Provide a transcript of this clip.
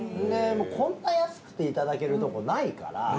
こんな安くていただけるとこないから。